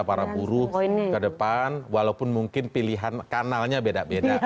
para buruh ke depan walaupun mungkin pilihan kanalnya beda beda